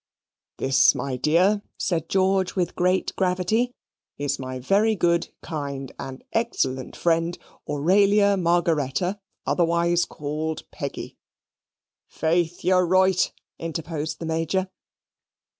"This, my dear," said George with great gravity, "is my very good, kind, and excellent friend, Auralia Margaretta, otherwise called Peggy." "Faith, you're right," interposed the Major.